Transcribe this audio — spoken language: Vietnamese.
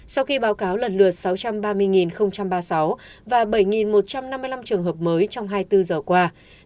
sau khi báo cáo lần lượt sáu trăm ba mươi ba mươi sáu và bảy một trăm năm mươi năm trường hợp mới trong hai mươi bốn giờ qua